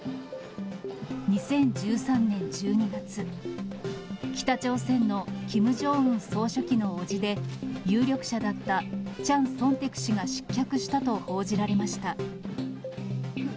２０１３年１２月、北朝鮮のキム・ジョンウン総書記の叔父で、有力者だったチャン・ソンテク氏が失脚したと報じられました。